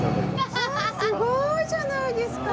あーすごいじゃないですか！